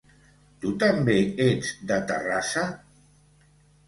Tu també ets de Terrassa?